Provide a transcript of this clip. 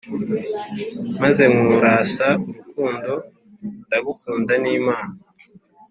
Maze nkorasa urukundo, ndagukunda ni impamo